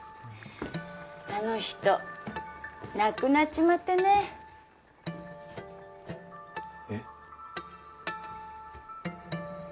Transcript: あの人亡くなっちまってねえッ？